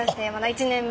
１年目。